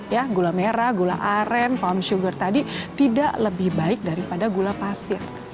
ya gula merah gula aren palm sugar tadi tidak lebih baik daripada gula pasir